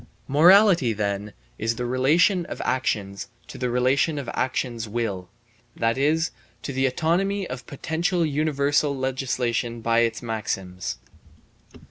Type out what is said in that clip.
Morality, then, is the relation of actions to the relation of actions will, that is, to the autonomy of potential universal legislation by its maxims.